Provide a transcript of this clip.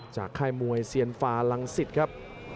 จากค่ายมวยเซียนฟารังสิทธิ์ครับ